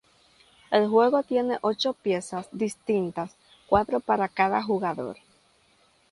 El juego tiene ocho piezas distintas, cuatro para cada jugador.